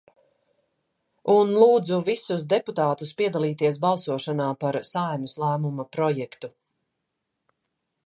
Un lūdzu visus deputātus piedalīties balsošanā par Saeimas lēmuma projektu.